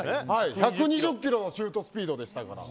１２０キロのシュートスピードでしたから。